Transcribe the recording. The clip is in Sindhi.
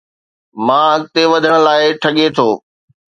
مان اڳتي وڌڻ لاءِ ٺڳي ٿو